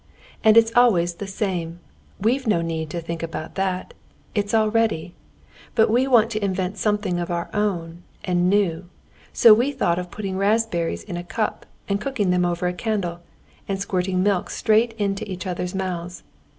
And it's all always the same. We've no need to think about that, it's all ready. But we want to invent something of our own, and new. So we thought of putting raspberries in a cup, and cooking them over a candle, and squirting milk straight into each other's mouths.